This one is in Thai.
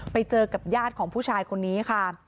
ไปเจอกับญาติของผู้ชายคนนี้ค่ะ